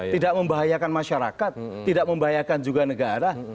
tidak membahayakan masyarakat tidak membahayakan juga negara